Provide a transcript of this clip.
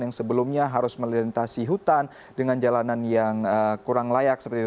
yang sebelumnya harus melintasi hutan dengan jalanan yang kurang layak seperti itu